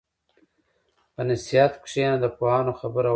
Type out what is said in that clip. په نصیحت کښېنه، د پوهانو خبره واوره.